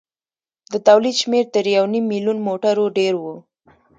د تولید شمېر تر یو نیم میلیون موټرو ډېر و.